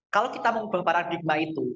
kalau kita mengubah paradigma itu